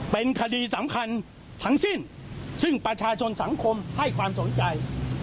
เป็นคดีสำคัญทั้งสิ้นซึ่งประชาชนสังคมให้ความสนใจ